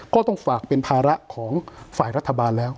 ก็ต้องฝากเป็นภาระของฝ่ายรัฐบาลแล้ว